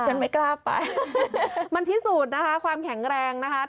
ฉันไม่กล้าไปมันพิสูจน์นะคะความแข็งแรงนะคะ